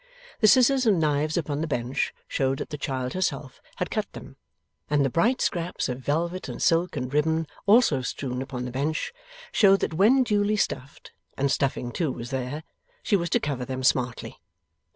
The scissors and knives upon the bench showed that the child herself had cut them; and the bright scraps of velvet and silk and ribbon also strewn upon the bench showed that when duly stuffed (and stuffing too was there), she was to cover them smartly.